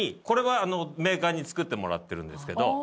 これはメーカーに作ってもらってるんですけど。